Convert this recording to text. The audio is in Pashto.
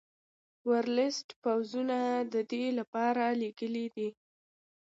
ورلسټ پوځونه د دې لپاره لېږلي دي.